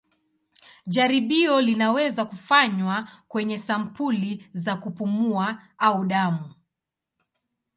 Jaribio linaweza kufanywa kwenye sampuli za kupumua au damu.